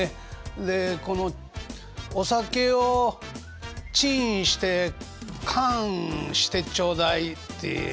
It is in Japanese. でこの「お酒をチンして燗してちょうだい」って言いますやろ？